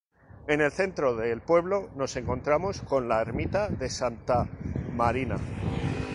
En el centro del pueblo nos encontramos con la ermita de Santa Marina.